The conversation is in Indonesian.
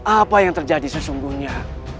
apa yang terjadi sesungguhnya